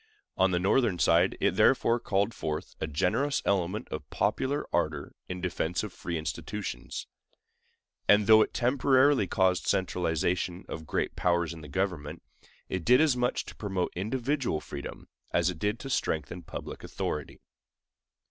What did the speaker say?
On the Northern side it therefore called forth a generous element of popular ardor in defense of free institutions; and though it temporarily caused centralization of great powers in the government, it did as much to promote individual freedom as it did to strengthen public authority.